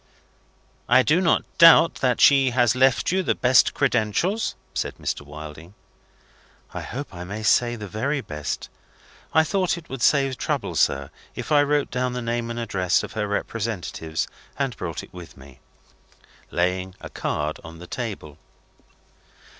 "I do not doubt that she has left you the best credentials?" said Mr. Wilding. "I hope I may say, the very best. I thought it would save trouble, sir, if I wrote down the name and address of her representatives, and brought it with me." Laying a card on the table.